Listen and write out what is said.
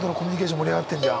盛り上がってんじゃん。